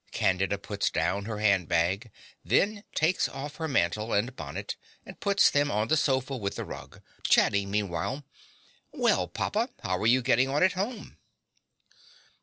Candida puts down her handbag; then takes off her mantle and bonnet and puts them on the sofa with the rug, chatting meanwhile.) Well, papa, how are you getting on at home?